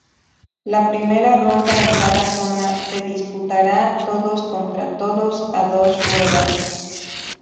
La primera ronda en cada zona, se disputará todos contra todos a dos ruedas.